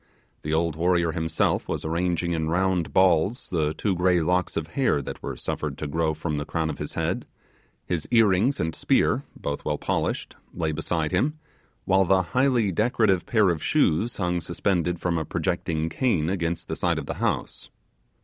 The old warrior himself was arranging in round balls the two grey locks of hair that were suffered to grow from the crown of his head; his earrings and spear, both well polished, lay beside him, while the highly decorative pair of shoes hung suspended from a projecting cane against the side of the house.